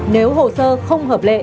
nếu hồ sơ không hợp lệ